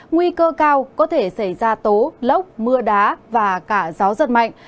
nguy cơ cao có thể xảy ra tố lốc mưa đá và cả gió giật mạnh